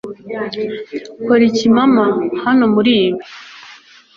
kora iki mama hano muri ibi